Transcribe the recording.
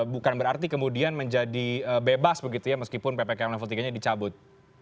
bukan berarti kemudian menjadi bebas begitu ya meskipun ppkm level tiga nya dicabut